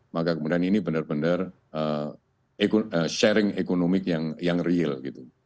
maka kemudian ini benar benar sharing ekonomi yang real gitu